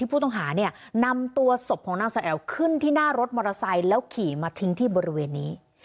ผู้ต้องหาเนี่ยนำตัวศพของนางสาวแอ๋วขึ้นที่หน้ารถมอเตอร์ไซค์แล้วขี่มาทิ้งที่บริเวณนี้